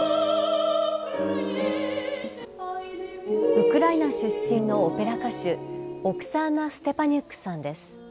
ウクライナ出身のオペラ歌手、オクサーナ・ステパニュックさんです。